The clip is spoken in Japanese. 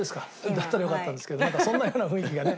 だったらよかったんですけどそんなような雰囲気がね。